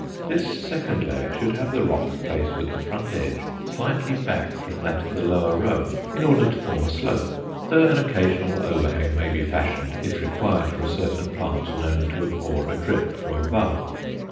This second layer should have the rocks placed with the front edge slightly back from that of the lower row in order to form a slope, though an occasional overhang may be fashioned if required for a certain plant known to abhor a drip from above.